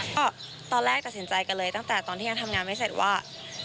ก็ตอนแรกตัดสินใจกันเลยตั้งแต่ตอนที่ยังทำงานไม่เสร็จว่า